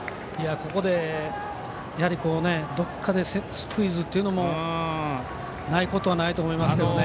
ここで、どこかでスクイズというのもないことはないと思いますけどね。